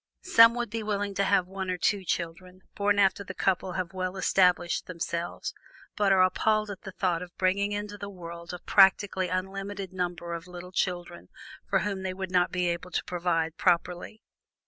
Some would be willing to have one or two children, born after the couple have well established themselves, but are appalled at the thought of bringing into the world a practically unlimited number of little children for whom they would not be able to provide properly.